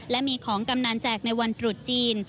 และมีของกำนันแจกในวันตรุษจีน